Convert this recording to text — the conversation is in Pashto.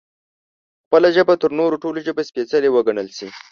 خپله ژبه تر نورو ټولو ژبو سپېڅلې وګڼل شي